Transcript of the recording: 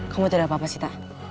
kamu tidak apa apa sita